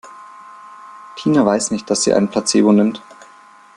Tina weiß nicht, dass sie ein Placebo nimmt.